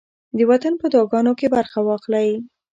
د وطن په دعاګانو کې برخه واخلئ.